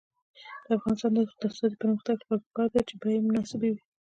د افغانستان د اقتصادي پرمختګ لپاره پکار ده چې بیې مناسبې وي.